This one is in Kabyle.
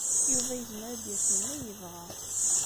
Yuba yezmer ad d-yas melmi ay yebɣa.